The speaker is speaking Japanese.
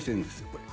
これ。